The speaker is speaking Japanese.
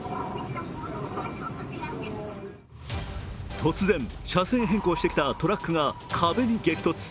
突然、車線変更してきたトラックが壁に激突。